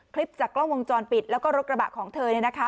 คลิปจากกล้องวงจรปิดแล้วก็รถกระบะของเธอ